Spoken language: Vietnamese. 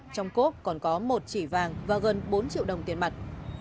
trong cốp còn có một chỉ vàng và gần bốn triệu đồng tiền mặt